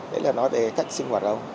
về cách sinh hoạt ông